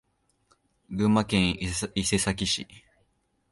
群馬県伊勢崎市